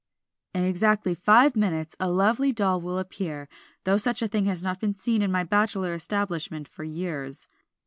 "In exactly five minutes a lovely doll will appear, though such a thing has not been seen in my bachelor establishment for years."